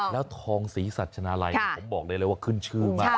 แล้วทองศรีสัชนาลัยผมบอกได้เลยว่าขึ้นชื่อมาก